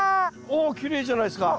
おきれいじゃないですか。